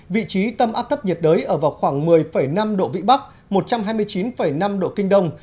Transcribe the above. vị trí tâm áp thấp nhiệt đới ở vào khoảng một mươi năm độ vĩ bắc một trăm hai mươi chín năm độ kinh đông